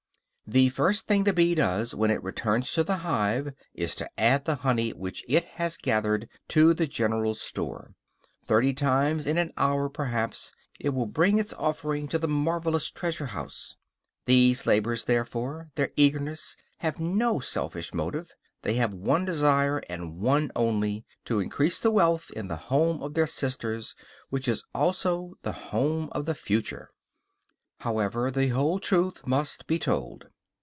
The first thing the bee does when it returns to the hive is to add the honey which it has gathered to the general store; thirty times in an hour perhaps it will bring its offering to the marvelous treasure house. Their labors, therefore, their eagerness, have no selfish motive; they have one desire, and one only, to increase the wealth in the home of their sisters, which is also the home of the future. However, the whole truth must be told.